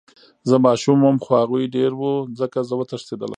زه ماشوم وم خو هغوي ډير وو ځکه زه وتښتېدم.